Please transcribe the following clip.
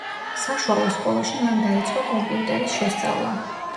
საშუალო სკოლაში მან დაიწყო კომპიუტერის შესწავლა.